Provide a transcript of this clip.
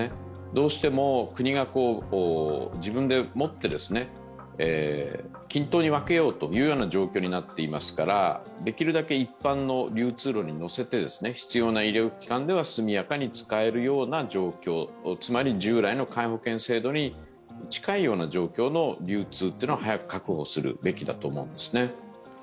どうしても国が自分で持って均等に分けようという状況になっていますからできるだけ一般の流通路に乗せて、必要な医療機関では速やかに使えるような状況、つまり従来の皆保険制度に近いような状況の流通を確保するべきだと思うんですね。